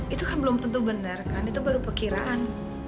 itu kan belum tentu benar kan itu baru perkiraan